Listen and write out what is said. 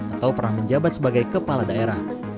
atau pernah menjabat sebagai kepala daerah